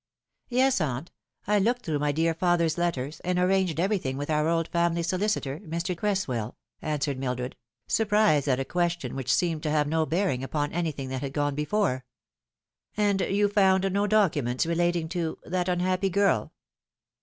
" Yes, aunt, I looked through my dear father's letters, and arranged everything with our old family solicitor, Mr. Cress well, answered Mildred, surprised at a question which seemed to have no bearing upon anything that had gone before. " And you found no documents relating to that unhappy girl?"